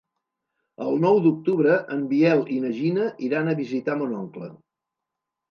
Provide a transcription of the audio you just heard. El nou d'octubre en Biel i na Gina iran a visitar mon oncle.